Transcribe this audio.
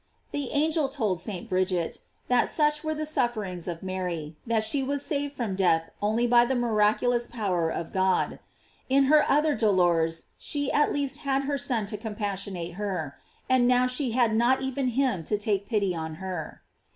"J The angel told St. Bridget, that such were the suffer ings of Mary, that she was saved from death only by the miraculous power of God.§ In her other dolors she at least had her Son to com passionate her; and now she had not even him to take pity on her.